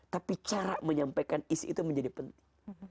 tapi cara menyampaikan isi itu menjadi penting